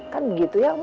kan begitu ya ummi